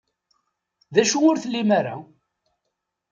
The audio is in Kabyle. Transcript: D acu ur tlim ara?